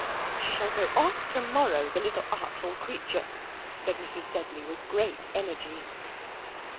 "She shall go off to morrow, the little artful creature," said Mrs. Sedley, with great energy.